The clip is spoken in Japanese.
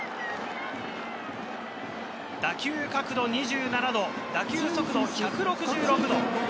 打球角度２７度、打球速度１６６キロ。